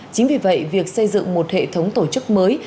chính vì vậy việc xây dựng một hệ thống tổ chức mới